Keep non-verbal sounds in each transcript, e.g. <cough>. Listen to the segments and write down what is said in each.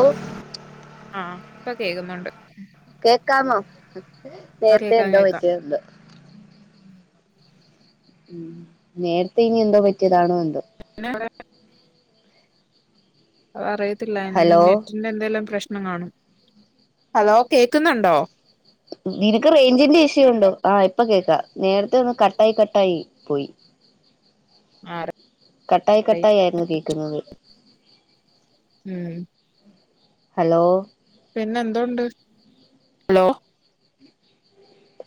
ഓഹ് ആഹ് ഇപ്പ കേക്കുന്നുണ്ട് കേക്കാമോ നേര്ത്തെ കേക്കാം എന്താേ കേക്കാം പറ്റിയത് എന്തോ ഉം നേര്ത്തെ ഇനി എന്തോ പറ്റിയതാണോ എന്തോ പിന്നെ അതെ അത് അറിയത്തില്ല ഹലോ ഇൻനെറ്റിന്റെ എന്തേലും പ്രശ്നംങ്ങാണും ഹലോ കേക്ക്ന്ന്ണ്ടോ നിനക്ക് റൈഞ്ചിന്റെ ഇഷ്യു ഉണ്ടോ ആഹ് ഇപ്പൊ കേക്കാ നേരത്തെ ഒന്ന് കട്ടായി കട്ടായി പോയി ആരാ കട്ടായി കട്ടായി ആയിരുന്നു കേക്ക്ന്നത് ഉം ഹലോ പിന്നെ എന്തോണ്ട് ഹലോ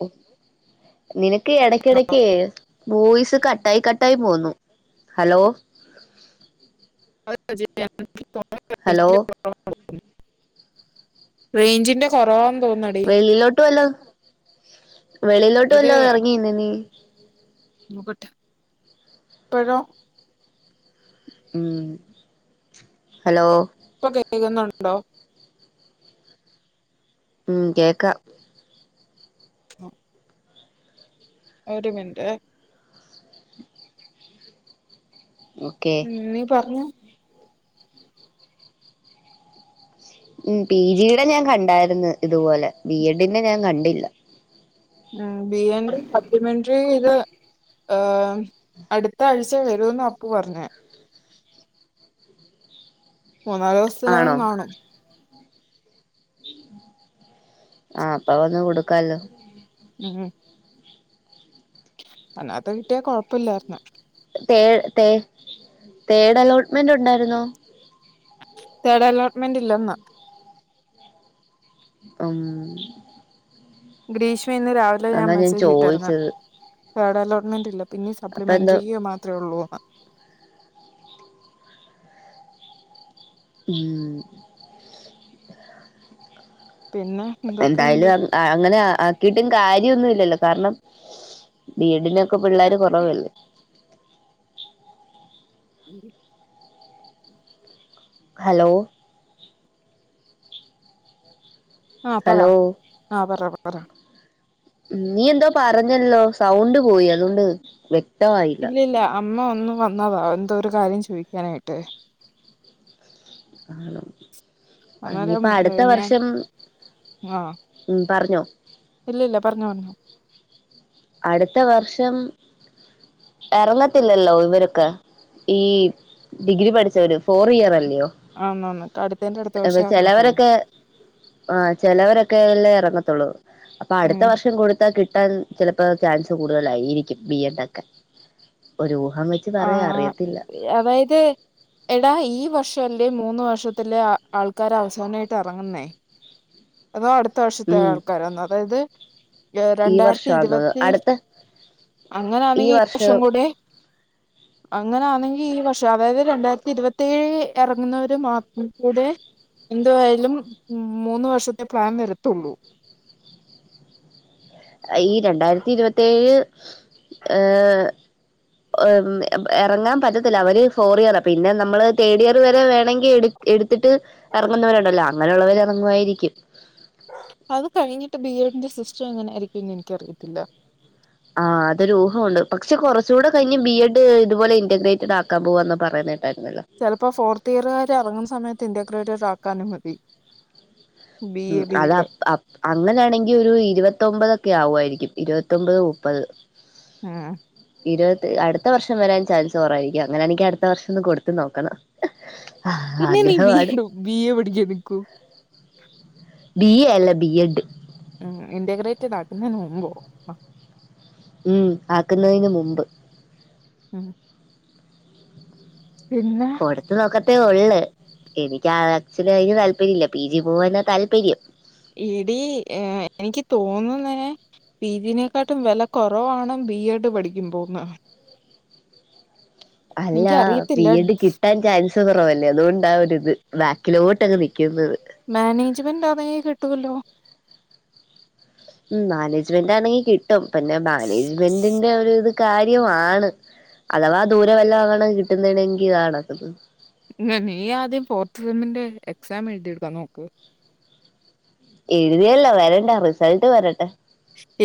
ഓഹ് നിനക്ക് എടക്കെടക്ക് ബോയ്സ് കട്ടായി കട്ടായി പോവുന്നു ഹലോ ആ ഒര് പ്രൊജക്റ്റ് ഹലോ <unintelligible> <unintelligible> റൈഞ്ചിന്റെ കൊറവാന്ന് തോന്ന്ന്നത് വെളിയിലോട്ട് വെല്ലോം വെളിയിലോട്ട് ഇത് വെല്ലോം എറങ്ങി നിന്നെ നീ നോക്കട്ടെ ഇപ്പഴോ ഉം ഹലോ ഇപ്പ കേക്ക്ന്നുണ്ടോ ഉം കേക്കാ നൊ ഒരു മിൻറ്റേ <unintelligible> ഉം നീ പർഞ്ഞാേ ഉം പി ജിയ്ടെ ഞാൻ കണ്ടാര്ന്ന് ഇത്പോലെ ബി എഡിന്റെ ഞാൻ കണ്ടില്ല ആഹ് ബി എൻ ഡ്ന്റെ സപ്ലിമെന്റ്റി എഴ്താ ആഹ് അട്ത്ത ആഴ്ച വെരോന്ന് അപ്പു പർഞ്ഞ് മൂന്നാല് ആണോ ദിവസ്ത്തിനെങ്ങാനും കാണും ആഹ് അപ്പ വന്ന് കൊട്ക്കാല്ലോ ഉം ആഹ് നേര്ത്തെ കിട്ടിയാ കൊഴപ്പല്ലാര്ന്ന് തേഡ് തേ തേഡലോട്ട്മെന്റ് ഉണ്ടായിരുന്നോ തേഡ് അലോട്ട്മെന്റ് ഇല്ലെന്ന് ഉം ഗ്രീഷ്മ ഇന്ന് രാവിലെ ഞാൻ അതാ മെസ്സേജ് ഇട്ടേര്ന്ന് ചോദിച്ചത് തേഡലോട്ട്മെന്റ് ഇല്ല പിന്നിം അപ്പൊ എന്താ സപ്ലിമെൻട്രിയ്യ് മാത്രെ ഒള്ളൂന്ന് ഉം പിന്നെ എന്തായാലും എന്തൊക്കെയുണ്ട് അങ്ങ് അ അങ്ങനെ ആ ആക്കിട്ടും കാര്യൊന്നും ഇല്ലല്ലോ കാരണം ബി എഡിനൊക്കെ പിള്ളേര് കാെറവല്ലേ മിഡിൽ ഹലോ ആഹ് പറ ഹലോ ആ പറ പറ ഉം നീയെന്തോ പറഞ്ഞല്ലോ? സൗണ്ട് പോയി അതോണ്ട് വ്യക്ത ഇല്ലല്ല അമ്മ ഒന്ന് വന്നതാ എന്തോ ഒരു കാര്യം ചോയ്ക്കാനായിട്ട് ആണോ? അന്നേരം ഇനിയിപ്പ ഏ, അടുത്ത ഞാൻ വർഷം ഉം പറഞ്ഞൊ ഇല്ലില്ല പറഞൊ പറഞൊ അടുത്ത വർഷം എറങ്ങത്തില്ലല്ലോ ഇവരൊക്കെ ഈ ഡിഗ്രി പഠിച്ചവര് ഫോറിയറല്ലയോ? ആന്നാന്ന് അട്ത്തേന്റെ അട്ത്ത വർഷാ എറങ്ങത്തൊള്ളൂ ആഹ ചെലവരൊക്കെയല്ലേ എറങ്ങത്തൊള്ളൂ അപ്പൊ അടുത്ത ഉം. വർഷം കൊടുത്താൽ കിട്ടാൻ ചെലപ്പോ ചാൻസ് കൂടുതലായിരിക്കും രിക്കും ബി എ ണ്ടൊക്കെ ഒരൂഹം വെച്ച് ആ പറയാ അറിയത്തില്ല അതായത് എടാ ഈ വർഷംവെല്ലേ മൂന്ന് വർഷത്തിലെ ആ ആൾക്കാരവസാനായിട്ടെറങ്ങുന്നേ <inaudible> അതോ അടുത്ത വർഷത്തെ ഉം ആൾക്കാരാന്നോ അതായത് ഈ രണ്ടായിരത്തി വർഷാന്ന് തോന്നുന്നു ഇരുപത്തി അടുത്ത അങ്ങനാന്നെങ്കി ഈ വർഷം കൂടെ അങ്ങനൊന്നെങ്കിൽ ഈ വർഷം അതായത് രണ്ടായിരത്തി ഇരുപെത്തി ഴേയിൽ എറങ്ങുന്നൊരു മാത്രെ എന്തായാലും മ് മൂന്ന് വർഷത്തെ പ്ലാൻ വരത്തുള്ളൂ അയീ രണ്ടായിരത്തി ഇരുവത്തേഴ് ഏഹ് എറങ്ങാൻ പറ്റത്തില്ല അവര് ഫോറിയെറ പിന്നെ നമ്മള് തേഡിയർ വരെ വേണങ്കി എടു ത്തിട്ട് എറങ്ങുന്നവരുണ്ടല്ലോ അങ്ങനെള്ളവരെറങ്ങുവായിരിക്കും അത് കഴിഞ്ഞിട്ട് ബി എഡിന്റെ സിസ്റ്റം ഇങ്ങനെയായിരിക്കുന്ന് എനിക്കറിയത്തില്ല ആഹ് അതൊരു ഊഹമുണ്ട് പക്ഷെ കെറച്ചുടെ കഴിഞ്ഞ് ബി എഡ് ഇത്പോലെ ഇന്റഗ്രേറ്റഡാക്കാൻ പോവാന്ന് പറയുന്നേട്ടായിരുന്നല്ലോ? ചെലപ്പോ ഫോർത്തിയറ്കാരെറങ്ങുന്ന സമയത്ത് ഇന്റിക്രേറ്റ്സ് ആക്കാനും മതി ബി ഉം എ ബി അത എഡ് അപ്പ അങ്ങനെയാണെങ്കിയൊരു ഇരുവത്തൊമ്പതൊക്കെ ആവുവായിരിക്കും ഇരുപത്തൊമ്പത് മുപ്പത് ഉം ഇരുപത് അടുത്ത വർഷം വരാൻ ചാൻസ് കെറവായിരിക്കും അങ്ങനാണെങ്കി അടുത്ത വർഷൊന്ന് കൊടുത്ത് നോക്കണം ആഹ് പിന്നെ നീ ആഗ്രഹമാണ് വീണ്ടു ബി എ പഠിക്ക നിക്കോ? ബി എ അല്ല ബി എഡ് ഉം ഇറ്റഗ്രേറ്റഡ് ആക്കുന്നേന് മുമ്പോ? ഉം ആക്കുന്നതിന് മുമ്പ് ഉം പിന്നെ കൊടുത്ത് നോക്കത്തേയൊള്ള് എനിക്ക് ആക്ച്വാലി‌ അയിന് താല്പര്യല്ല പി ജി പോവാനാ താല്പര്യം. എടീ എഹ് എനിക്ക് തോന്നുന്നെ പി ജി നെക്കാട്ടും വെല കൊറവാണ് ബി എ ഡ് പഠിക്കുമ്പോന്ന് അല്ല ബി എനിക്കറിയത്തില്ല എ ഡ് കിട്ടാ ട്ടാൻ ചാൻസ് കൊറവല്ലേ അതുകൊണ്ടാ ഒരു ഇത് ബാക്കിലോട്ടങ്ങ് നിക്കുന്നത്. മാനേജ്മെന്റാന്നെങ്കി കിട്ടുവല്ലോ മ് മാനേജ്മെന്റാണെങ്കി കിട്ടും പിന്നെ മാനേജ്മെന്റിന്റെ ആ ഒരു ഇത് കാര്യവാണ് അഥവാ ദൂരെ വല്ലോ ആണ് കിട്ടുന്നണെങ്കി ഇതാ കടക്ക്ന്ന് നീയാദ്യം ഫോർത്ത് സെമ്മിന്റെ എക്സാം എഴുതിയെടുക്കാം നോക്ക് എഴുതിയല്ലോ വരണ്ടെ റിസൾട്ട് വരട്ടെ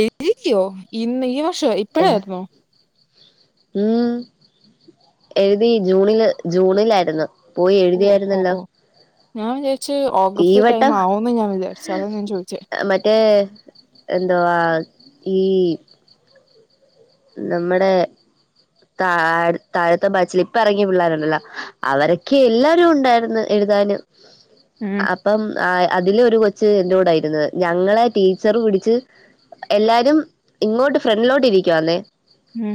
എഴ്തിയോ ഇന്ന് ഈ വർഷം ഏഹ് ഇപ്പഴായിര്ന്നോ? ഉം എഴുതി ജൂണില് ജൂണിലായിരുന്നു പോയി ഓഹ് ഓഹ് എഴുതിയായിരുന്നല്ലോ ഓഹ് ഞാൻ വിചാരിച്ച് ഈ ഓഗസ്റ്റ് ടൈം വട്ടം ആവൂന്ന് ഞാൻ വിചാരിച്ചത് അതാ ഞാൻ ചോയ്ച്ചേ മറ്റേ എന്തോ വാ ഈ നമ്മടെ താഴ താഴത്തെ ബാച്ചിൽ ഇപ്പ ഇറങ്ങിയ പിള്ളേരുണ്ടല്ലോ അവരൊക്കെ എല്ലാരും ഉണ്ടായിര്ന്ന് എഴുതാന് ഉം അ പ്പം അതില് ഒരു കൊച്ച് എന്റെറ കൂടെ യിരുന്നത് ഞങ്ങളെ ടീച്ചർ പിടിച്ച് എല്ലാരും ഇങ്ങോട്ട് ഫ്രണ്ടിലോട്ട് ഇരിക്ക്വാന്നേ ഉം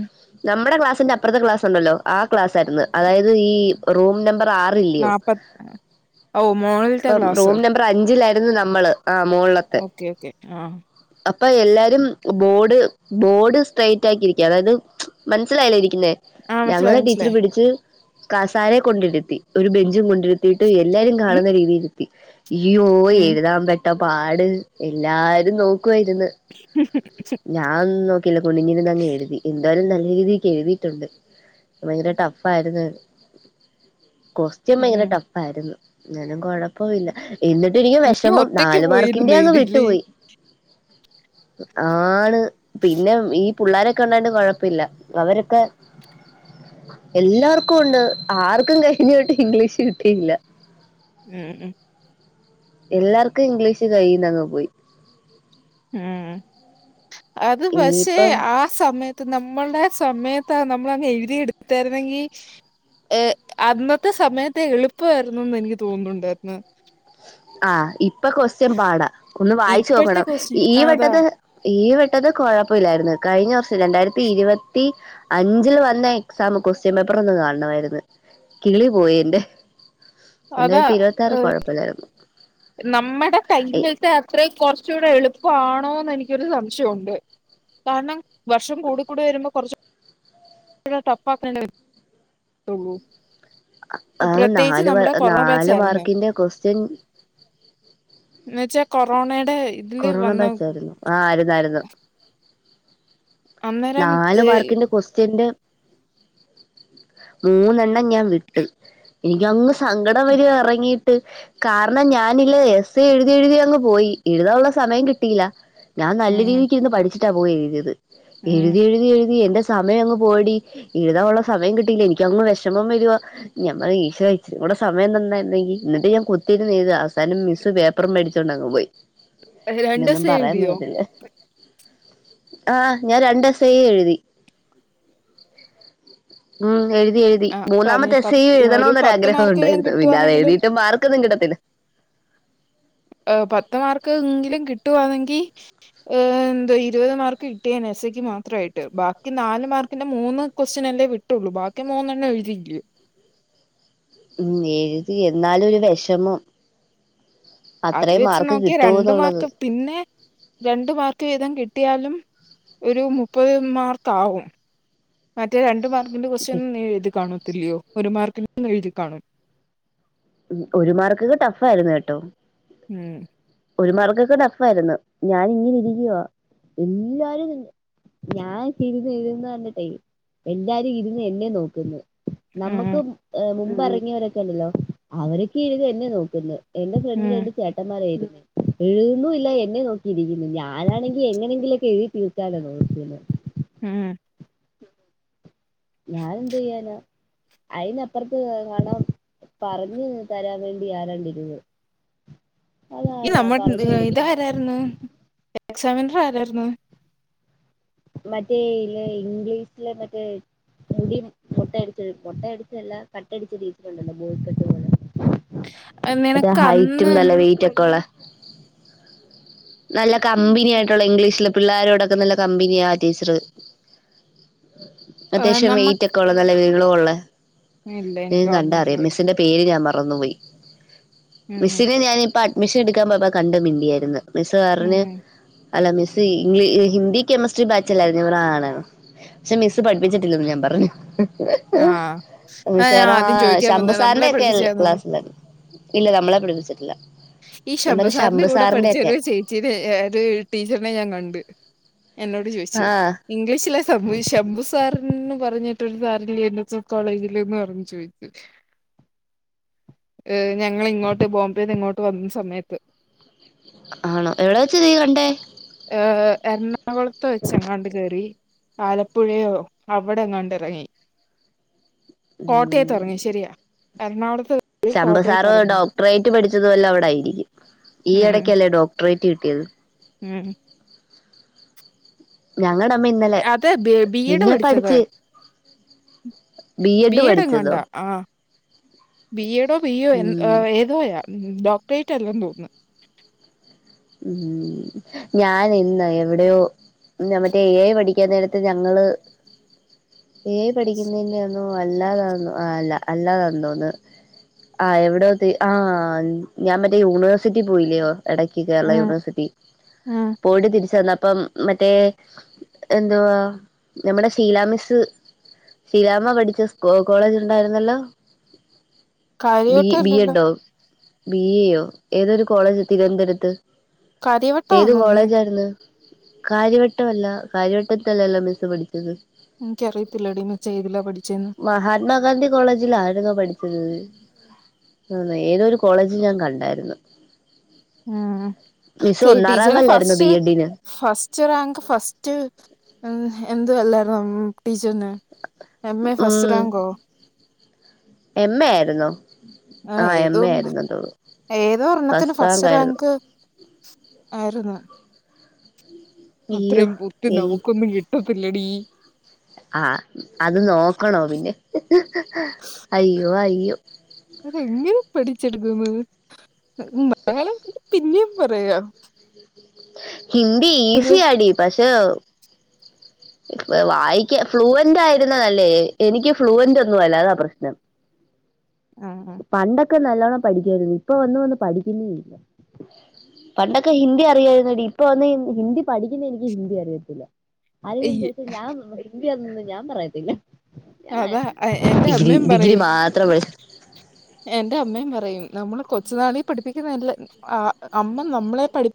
നമ്മടെ ക്ലാസ്സിന്റെ അപ്പുറത്തെ ക്ലാസ് ഉണ്ടല്ലോ ആ ക്ലാസ് ആയിരുന്നു അതായത് ഈ റൂം നമ്പർ നാപ്പത് ഓഹ് മോളിൽത്തെ ഇപ്പം ക്ലാസ് റൂം നമ്പർ അഞ്ചിലായിരുന്നു നമ്മള് ആ മോളിലത്തെ ഓക്കെ ഓക്കെ ആഹ് അപ്പൊ എല്ലാരും ബോഡ് ബോർഡ് സ്ട്രെറ്റ് ആക്കിരിക്ക അതായത് മനസ്സിലായില്ലേ ഇരിക്കുന്നേ ആഹ് മനസ്സിലായി ഞങ്ങളെ ടീച്ചർ മനസ്സിലായി പിടിച്ച് കാസാരെ കൊണ്ടിരുത്തി ഒരു ബെഞ്ചും കൊണ്ടിര് ത്തിട്ട് എല്ലാരും കാണുന്ന രീതിയിലിര്ത്തി അയ്യോ,,, ഉം എഴുതാൻ പെട്ട പാട് എല്ലാരും നോക്കുവായിരുന്നു ഞാൻന്നും നോക്കിയില്ല. കുനിഞ്ഞിരുന്ന് അങ്ങ് എഴുതി എന്തായാലും നല്ല രീതിക്ക് എഴുതിയിട്ടുണ്ട്. ഭയങ്കര ടഫാ ആയിരുന്നു കോ സ്റ്റിയൻ ഭയങ്കര ഉം ടഫായിരുന്നു ന്നാലും കുഴപ്പില്ല എന്നിട്ടിനിക്ക് നീ വിഷമം ഒറ്റക്ക് നാല് മാർക്കിന്റെ പോയിരുന്നു അങ്ങ് എഴുതില്ലേ? വിട്ടുപോയി ആണ് പിന്നെ ഈ പുള്ളാരൊക്കെ ഉണ്ടായിണ്ട് കൊഴപ്പമില്ല അവരൊക്കെ എല്ലാർക്കും ഉണ്ട് ആർക്കും കഴിഞ്ഞൊട്ട് ഇംഗ്ലീഷ് കിട്ടിയില്ല ഉം ഉം എല്ലാർക്കും ഇംഗ്ലീഷ് കയിന്ന ങ്ങ് പോയി ഉം അത് പഷേ ഇനിയിപ്പം ആ സമയത്ത് നമ്മളുടെ സമയത്ത് നമ്മളങ് എഴുതി എടുത്താരുന്നെങ്കി ഏ അന്നത്തെ സമയത്തെ എളുപ്പമായിരുന്നുന്ന് എനിക്ക് തോന്നുന്നുണ്ടായിരുന്നു ആഹ് ഇപ്പൊ കൊസ്റ്റൻ പാടാ ഒന്ന് വായിച്ചു ഇപ്പോഴത്തെ നോക്കണം ക്വസ്റ്റ്യൻ ഈ അതാ വട്ടത്ത് ഈ വെട്ടത് കുഴപ്പമില്ലായിരുന്നു. കഴിഞ്ഞ വർഷം രണ്ടായിരത്തി ഇരുപത്തി അഞ്ചില് വന്ന എക്സാം കൊസ്റ്റ്യൻ പേപ്പർ ഒന്ന് കാണണമായിരുന്നു കിളി പോയി എന്റെ. അതാ രണ്ടായിരത്തി ഇരുപത്തിയാറ് കൊഴപ്പമില്ലായിരുന്നു. നമ്മടെ ടൈമിൽ ത്തെ അത്രയും കുറച്ചുകൂടെ എളുപ്പമാണോ ന്ന് എനിക്കൊരു സംശയുണ്ട് കാരണം വർഷം കൂടി കൂടി വരുമ്പോ കൊറച് ഇപ്പഴും തപ്പാപ്പൻ അല്ലെ വരുത്തുള്ളൂ പ്രത്യേകിച്ച് നമ്മടെ കൊറോണ ബാച്ചായിരുന്നു. ന്റെ ക്വസ്റ്റ്യൻ എന്ന് വെച്ചാ കൊറോണയുടെ ഇതില് കൊറോണ വന്ന ബാച്ചായിരുന്നു ആ ആരുന്നാ യിരുന്നു. അന്നേരം നാല് ഏഹ് മാർക്കിന്റെ ക്വസ്റ്റ്യന്റെ മൂന്നെണ്ണം ഞാൻ വിട്ട് എനിക്കങ്ങ് സങ്കടം വരുവാ ഇറങ്ങി ട്ട് കാരണം ഞാനില്ലെ എസ് എ എഴുതി എഴുതി അങ്ങ് പോയി. എഴുതാനുള്ള സമയം കിട്ടിയില്ല. ഞാൻ നല്ല ഉം. രീതിക്ക് ഇരുന്ന് പഠിച്ചിട്ടാ പോയി എഴുതിയത്. എഴുതി ഉം എഴുതി എഴുതി എന്റെ സമയം അങ്ങ് പോയെ ടി എഴുതാനുള്ള സമയം കിട്ടിയില്ല എനിക്കങ്ങ് വിഷമം വരുവാ. ഞാൻ പറയാ ഈശ്വരാ ഇച്ചിരി കൂടെ സമയം തന്നിരുന്നെങ്കി എന്നിട്ടും ഞാൻ കുത്തിയിരുന്ന് എഴുതുവാ അവസാ വസാനം മിസ്സ് പേപ്പറും മേടിച്ചോണ്ട ങ്ങ് പോയി പിന്ന ഒന്നും രണ്ടൂസം പറയാൻ എഴുതിയോ പറത്തില്ല ആഹ് ഞാൻ രണ്ട് എസ് എയും എഴുതി ഉം എയു ഴുതി എഴുതി പതി മൂന്നാമത്തെ എസ് എയും പത്ത് എഴുതണം ഒരു എന്നൊരു പത്ത് ആഗ്രഹം മാർക്ക് വീതം ഉണ്ടായിരുന്നു പിന്നെയത് കിട്ടുവാന്നെങ്കിലും എഴുതിയിട്ടും മാർക്കൊന്നും കിട്ടത്തില്ല. ഹ് പത്ത് മാർക്കെങ്കിലും കിട്ടുവാണെങ്കിൽ ഹ്എന്തോ ഇരുപത് മാർക്ക് കിട്ടിയേനെ എസ്എക്ക് മാത്രമായിട്ട് ബാക്കി നാല് മാർക്ക് ന്റെ മൂന്ന് ക്വസ്റ്റ ൻല്ലേ വിട്ടുള്ളൂ ബാക്കി മൂന്നെണ്ണം എഴുതിയില്ലേ ഉം എഴുതി എന്നാലും ഒരു വിഷമം അത് അത്രയും വെച്ച് മാർക്ക് നോക്കിയാ രണ്ട് കിട്ടൂന്നുള്ളത് മാർക്ക് പിന്നെ രണ്ട് മാർക്ക് വീതം കിട്ടിയാലും ഒരു മുപ്പത് മാർക്ക് ആകും മറ്റേ രണ്ടു മാർക്ക് മാർക്കിന്റെ കൊസ്റ്റൻ എഴുതി കാണത്തില്ലയോ ഒരു മാർക്കിന്റെ എഴുതി കാണും ഉം ഒരു മാർക്കൊക്കെ ടഫ് ആയിരുന്നു കേട്ടോ ഉം ഒരുമാർക്കൊക്കെ ടഫായിരുന്നു ഞാൻ ഇങ്ങനെ ഇരിക്കുവാ എല്ലാരും ഞാൻ ഇരുന്ന് ഇരുന്ന് തന്നിട്ടെ എല്ലാരും ഇരുന്ന് എന്നെ നോക്കുന്നു ഉം നമ്മുക്ക് മുമ്പ് ഇറങ്ങിയവരൊക്കെ ഉണ്ടല്ലോ അവരൊക്കെ ഇരുന്ന് എന്നെ നോക്കുന്നു എന്റെ ഫ്രണ്ട് ഉം രണ്ട് ചേട്ടന്മാരായിരുന്നു എഴുതുന്നുമില്ല എന്നെ നോക്കിയിരിക്കുന്നു ഞാനാണെങ്കി എങ്ങനെങ്കിലുംമൊക്കെ എഴുതിതീർക്കാനാ നോക്കുന്നെ ആ ഞാൻ എന്ത് ചെയ്യാന അയിന്പ്പറത്ത് കാണാം പറഞ്ഞു തരാൻ വേണ്ടി ആരാണ്ടിരുന്ന് ഈ അതാരാ നമ്മുടെ പറഞ്ഞു കൊടുക്കാൻ ഇതാ വേണ്ടി രായിരുന്നു എക്സാമിനർ ആരായിരുന്നു മറ്റേ യില് ഇംഗ്ലീശിലെ മറ്റേ മുടി മൊട്ടയടിച്ച മൊട്ടയടിച്ചയല്ല കട്ടടിച്ച ടീച്ചറുണ്ടല്ലോ ബോഴിക്കെട്ട് പോലെ അതെ നിനക്ക് ഹൈറ്റും അന്ന് നല്ല വെയിറ്റ് ഒക്കെ ഉള്ളെ നല്ല കമ്പനി ആയിട്ടുള്ള ഇംഗ്ലീഷില്, പിള്ളേരോടൊക്കെ നല്ല കമ്പനി. ടീച്ചർ. ഏഹ് അത്യാവശ്യം വെയിറ്റ് നമ്മക്ക് ഒക്കെ ഉള്ള നല്ല നീള ഉള്ള. ഇല്ല നീ എനിക്ക് കണ്ട ഓർമ്മയില്ല അറിയാം. മിസ്സിന്റെ- പേര് ഞാൻ മറന്നു പോയി. ഉം, മിസ്സിനെ ഞാനിപ്പ അഡ്മിഷൻ എടുക്കാൻ പോയപ്പോ കണ്ട് മിണ്ടിയാര്ന്ന്. മിസ്സ് പറഞ്ഞഞ്. ഉം. അല്ല മിസ്സ് ഇംഗ്ലീ ഹിന്ദി- കെമിസ്ട്രി ബാച്ചിലായിരുന്നു, ഇവർ ആണ്. പക്ഷെ മിസ്സ് പഠിപ്പിച്ചിട്ടില്ലന്ന് ഞാൻ പറഞ്ഞു. ആ ആ, ഞാൻ മിസോറാം, ആദ്യം ചോദിക്കാൻ വന്നത് നമ്മളെ ശംഭുസാറിന്റെ ഒക്കെയ പഠിപ്പിച്ചാന്നു ക്ലാസ്സിലണ് ഇല്ല നമ്മളെ പഠിപ്പിച്ചിട്ടില്ല. ഈ ഞാൻ ശംമ്പ പറഞ്ഞു സാറിന്റെ ശംഭു കൂടെ ഒക്കെ പഠിച്ചവരോയ്ച്ചെ. ചിരി ഒരു ടീച്ചറിനെ ഞാൻ കണ്ട്. എന്നോട് ചോയിച്ച്. ആ ഇംഗ്ലീഷിലെ സംഭവ ശംഭു സാറിൻന്ന് പറഞ്ഞിട്ടൊരു സാറില്ലെ എന്ന് മിക്സഡ് കോളേജിൽ എന്ന് പറഞ്ഞ ചോദിക്കും. <inaudible> ഏ. ഞങ്ങള് ഇങ്ങോട്ട് ബോംബെന്ന് ഇങ്ങോട്ട് വന്ന സമയത്ത്. ആണോ? എവിടൊ വെച്ച നീ കണ്ടേ? ഏ. എറണാകുളത്ത് വെച്ചങ്ങാണ്ട് കേറി. ആലപ്പുഴയോ അവിടെങ്ങണ്ടിറങ്ങി കോട്ടയത്ത് ഇറങ്ങി ശരിയാ. എറണാകുളത്ത്. പോയി ശംമ്പസാർ കോട്ടയത്ത് ഇറങ്ങി ഡോക്ടറേറ്റ് പഠിച്ചതു വല്ലോ അവിടെയിരിക്കും. ഈ ഉം ഉം ഇടയ്ക്കല്ലേ ഡോക്ടറേറ്റ് കിട്ടിയത്. ഉം. ഞങ്ങളുടെ അമ്മ ഇന്നലെ. അത് ബി ബി എഡ് നിന്നെ പഠിച്ചത് പഠിച്ചു. - ബി എഡ് പഠിച്ചതോ? ബി എഡോ, ബി എ ഉം ഏതോയാ. ഡോക്ടറേറ്റ് അല്ലന്ന് തോന്നുന്നു. <inaudible> ഞാൻ ഇന്ന് എവിടെയോ, മറ്റേ എ പഠിക്കാൻ നേരത്ത് ഞങ്ങള്- ഏ പഠിക്കുന്നതിന്റൊന്നോ അല്ലാതന്ന ആ അല്ല അല്ലാതതോന്ന്-. ആ എവിട ആ, ഞാൻ മറ്റേ യൂണിവേഴ്സിറ്റിയിൽപോയില്ലിയോഇടക്ക് കേരള ഉം യൂണിവേഴ്സിറ്റി. ഉം പോയിട്ട് തിരിച്ചു വന്നപ്പം. മറ്റേ എന്തുവാ നമ്മുടെ ശീലാമിസ്സ്. ശീലാമ്മ പഠിച്ച സ് കോളേജ് ഉണ്ടായിരുന്നല്ലോ? ബി കാര്യവട്ടം ബി അല്ലല്ലോ എഡോ, ബി എയോ ഏതൊരു കോളേജ് തിരുവനന്തപുരത്ത്? കാര്യവട്ടം ഏത് ആന്നോ നീ കോളേജായിര്ന്ന്? കാര്യവട്ടമല്ലാ കാര്യവട്ടത്തല്ലല്ലോ മിസ്സ് പഠിച്ചത് ഇന്ക്ക്യറിയത്തില്ലടി മിസ്സേതിലാ പഠിച്ചേന്ന് മഹാത്മാഗാന്ധി കോളേജിലായിരുന്നോ പഠിച്ചത് ആഹ് ഏതോ ഒരു കോളേജ് ഞാൻ കണ്ടായിരുന്നു ആഹ് മിസ്സ് ശരി ഒന്നാം ടീച്ചറേ റാങ്കല്ലായിരുന്നോ ഫസ്റ്റ് ബി എഡിന് ഫസ് ച്ചർന്ക്ക് ഫസ്റ്റ് എ എന്ത് വല്ലായിരുന്നോ ഉം ടീച്ചറ്ന്? എം എ ഫസ്റ്റ് ഉം റാങ്കോ? എം എ ആയിരുന്നോ ആ ആഹ് എം ഏതോ എ ഒന്ന് ആയിരുന്നെന്ന് തോന്നുന്നു ഏതോ ഒരെണ്ണത്തിന് ഫസ്റ്റ് റാങ്ക് ആയിര്ന്ന് അയ്യോ അത്രയും ബുദ്ധി നമുക്കൊന്നും കിട്ടത്തില്ലടീ ആഹ് അത് നോക്കണോ പിന്നെ അയ്യോ അയ്യോ അതങ്ങനെ പഠിച്ചെടുക്കുന്നത് ഏഹ് മ മലയാളം പിന്നേം പറയാ ഹിന്ദി ഈസിയാടി പക്ഷേ ഏഹ് വെ വായിക്കാ ഫ്ലുവന്റ് ആയിരുന്നതല്ലേ എനിക്ക് ഫ്ലുവന്റ് ഒന്നും അല്ല അതാപ്രശ്നം ആഹ് ആഹ് പണ്ടൊക്കെ നല്ലോണ്ണം പഠിക്ക്യാര്ന്ന് ഇപ്പൊ വന്ന് വന്ന് പഠിക്കിന്നേയില്ലാ പണ്ടൊക്കെ ഹിന്ദി അറിയാര്ന്നെടീ ഇപ്പൊ വന്ന് ഹി ഹിന്ദി പഠിക്ക്യിന്ന എനിക്ക് ഹിന്ദി അറിയത്തില്ല ആരേലും അയ്യ് ചോയിച്ചാ ഞാൻ ഉം ഹിന്ദിയാന്നെന്ന് ഞാൻ പറയത്തില്ല ഞാനെ അതാ എ- എന്റെ ഡിഗ്രി അമ്മയും ഡിഗ്രി പറയും മാത്രം <unintelligible> എന്റെ അമ്മേം പറയും നമ്മള് കൊച്ചു നാളീ പഠിപ്പിക്ക്ന്നയല്ല ഉം ആഹ് അമ്മ നമ്മളെ പഠി